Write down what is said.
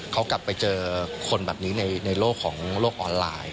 เขากลับไปเจอคนแบบนี้ในโลกของโลกออนไลน์